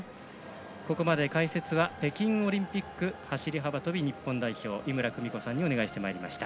ここまで解説は北京オリンピック走り幅跳び日本代表、井村久美子さんにお願いしてまいりました。